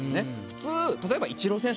普通例えば。